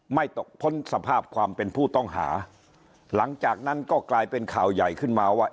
ไม่ตกพ้นสภาพความเป็นผู้ต้องหาหลังจากนั้นก็กลายเป็นข่าวใหญ่ขึ้นมาว่า